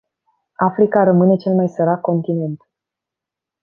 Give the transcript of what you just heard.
Africa rămâne cel mai sărac continent.